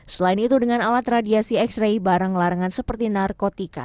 selain itu dengan alat radiasi x ray barang larangan seperti narkotika